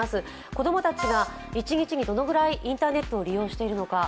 子供たちが一日にどのくらいインターネットを利用しているのか。